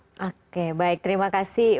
oke baik terima kasih